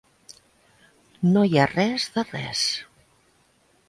No hi ha res de res.